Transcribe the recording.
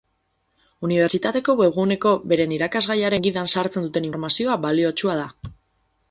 Unibertsitateko webguneko beren irakasgaiaren gidan sartzen duten informazioa baliotsua da.